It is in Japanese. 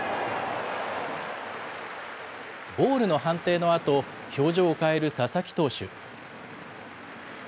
ボールの判定のあと、表情を変える佐々木投手。